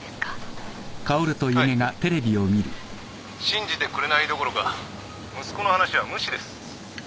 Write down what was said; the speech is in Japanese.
信じてくれないどころか息子の話は無視です。